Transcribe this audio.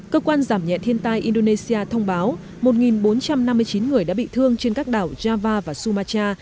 cơ quan giảm nhẹ thiên tai indonesia thông báo một bốn trăm năm mươi chín người đã bị thương trên các đảo java và sumacha